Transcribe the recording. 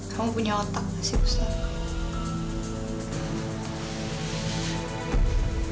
kamu punya otak sih pusat